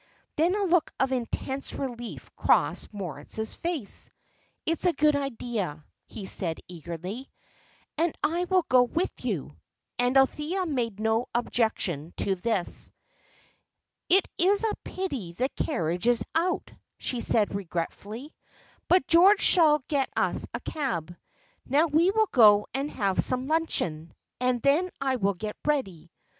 Then a look of intense relief crossed Moritz's face. "It is a good idea," he said, eagerly; "and I will go with you." And Althea made no objection to this. "It is a pity the carriage is out," she said, regretfully; "but George shall get us a cab. Now we will go and have some luncheon, and then I will get ready."